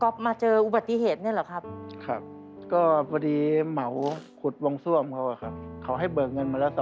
แฟนผมเขาก็